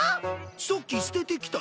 さっき捨ててきたぜ。